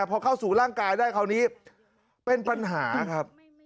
พอเข้าสู่ร่างกายได้คราวนี้เป็นปัญหาครับ